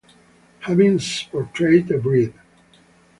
Havins portrayed a bride.